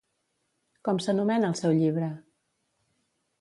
Com s'anomena el seu llibre?